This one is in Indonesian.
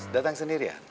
datang sendiri ya